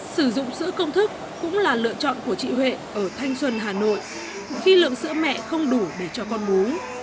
sử dụng sữa công thức cũng là lựa chọn của chị huệ ở thanh xuân hà nội khi lượng sữa mẹ không đủ để cho con bú